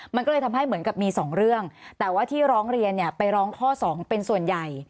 มันก็เลยทำให้เหมือนกับมีสองเรื่องแต่ว่าที่ร้องเรียนเนี่ยไปร้องข้อ๒เป็นส่วนใหญ่